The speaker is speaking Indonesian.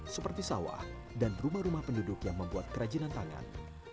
seperti sawah dan rumah rumah penduduk yang membuat kerajinan tangan